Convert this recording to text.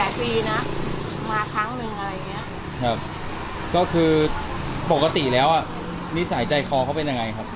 มาครั้งหนึ่งอะไรอย่างเงี้ยครับก็คือปกติแล้วอ่ะนิสัยใจคอเขาเป็นยังไงครับ